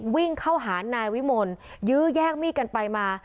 วิ่งเข้าหานายวิมลยื้อแย่งมีดกันไปมา